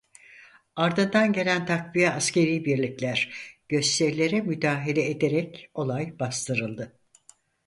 Ardından gelen takviye askeri birlikler gösterilere müdahale ederek olay bastırıldı.